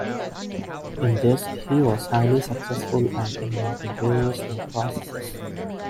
In this he was highly successful and invented various new processes.